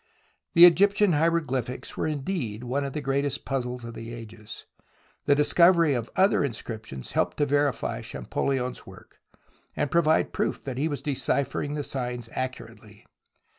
The Egyptian hieroglyphics were indeed one of the greatest puzzles of the ages. The discovery of other inscriptions helped to verify Champollion's work, and provide proof that he was deciphering the signs accurately.